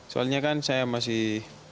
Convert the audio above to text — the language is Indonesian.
soalnya kan saya masih